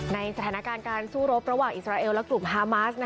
ในแสดงการสู้รบระหว่างอิสราเอลและกลุ่มฮามาส